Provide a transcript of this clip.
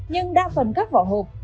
nhưng đa phần các vỏ hộp